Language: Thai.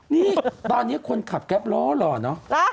นี่ตอนนี้คนขับแก๊ปล้อหล่อเนอะ